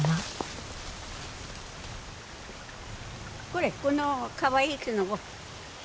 これこのかわいいきのこ。